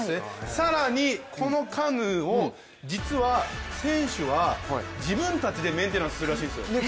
更にこのカヌーを、実は選手は自分たちでメンテナンスするらしいですよ。